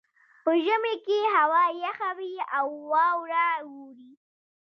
په ژمي کې هوا یخه وي او واوره اوري